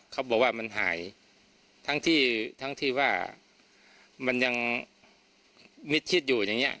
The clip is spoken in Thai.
เขาบอกว่ามันหายทั้งที่ว่ามันยังมิดทิศอยู่อย่างเนี่ย